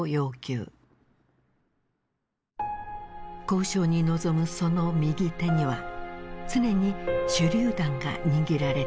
交渉に臨むその右手には常に手榴弾が握られていた。